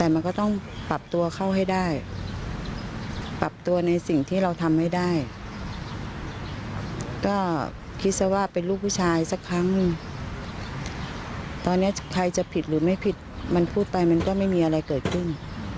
มันก็ไม่มีอะไรเกิดขึ้น